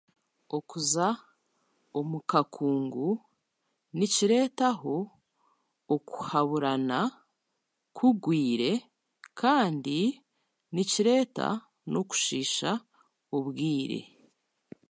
Okuza omu kakungu nikireetaho okuhaburana kugwaire kandi nikireeta n'okushiisha obwire